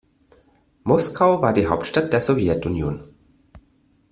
Moskau war die Hauptstadt der Sowjetunion.